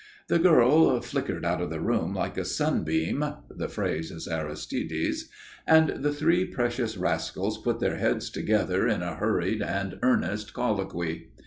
The girl flickered out of the room like a sunbeam (the phrase is Aristide's), and the three precious rascals put their heads together in a hurried and earnest colloquy.